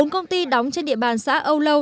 bốn công ty đóng trên địa bàn xã âu lâu